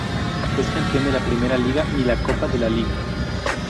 Es campeón de la Primeira Liga y la Copa de la Liga.